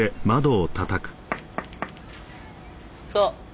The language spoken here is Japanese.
そう。